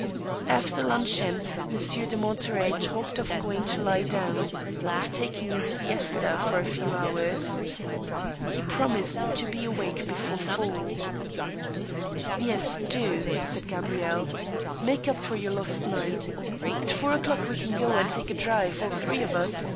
After luncheon. Monsieur de Monterey talked of going to lie down — of taking a siesta for a few hours. He promised to be awake before four. * Yes — do," said Gabrielle, *' make up for your lost night. At ^ four o'clock we can go arid take a drive, all three of us